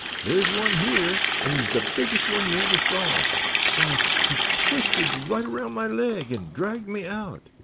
"There's one here and he's the biggest one you ever saw. Why, he twisted right around my leg and dragged me out.